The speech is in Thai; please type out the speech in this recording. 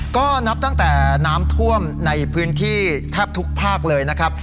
ก็นับตั้งแต่น้ำท่วมในพื้นที่แทบทุกภาคเลยนะครับ